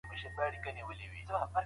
د جامو مینځل یوازي د ښځو دنده نه ده.